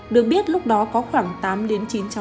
được biết lúc đó có khoảng tám chín cháu nhỏ